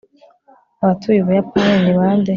abatuye ubuyapani ni bande